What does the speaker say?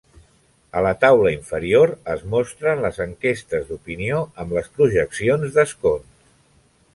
A la taula inferior es mostren les enquestes d'opinió amb les projeccions d'escons.